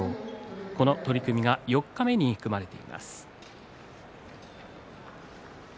この取組が四日目に組まれています。